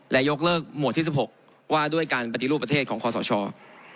และยกเลิกหมวดที่๑๖ว่าด้วยการปฏิรูปประเทศของคอสช